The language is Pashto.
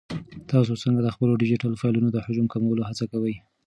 تاسو څنګه د خپلو ډیجیټل فایلونو د حجم د کمولو هڅه کوئ؟